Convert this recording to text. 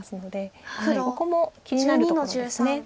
ここも気になるところです。